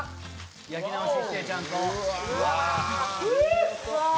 焼き直ししてちゃんと。